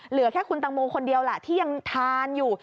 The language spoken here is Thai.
เหลือแค่คุณตังโมคนเดียวแหละที่ยังทานอยู่